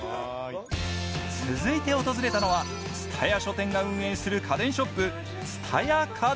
続いて訪れたのは蔦屋書店が運営する家電ショップ